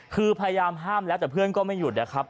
คือพยายามห้ามแล้วแต่เพื่อนก็ไม่หยุดนะครับ